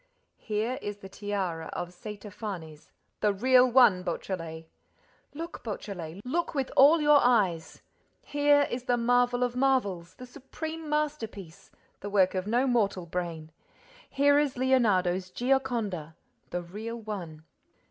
Here is the tiara of Saitapharnes, the real one, Beautrelet! Look, Beautrelet, look with all your eyes: here is the marvel of marvels, the supreme masterpiece, the work of no mortal brain; here is Leonardo's Gioconda, the real one!